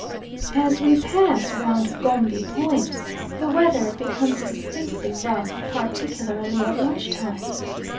As we pass round Gombi point, the weather becomes distinctly rough, particularly at lunch time.